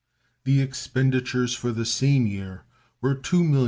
The expenditures for the same year were $2,755,623.